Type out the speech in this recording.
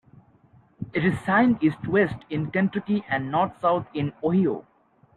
It is signed east-west in Kentucky and north-south in Ohio.